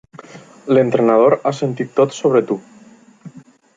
L'entrenador ha sentit tot sobre tu.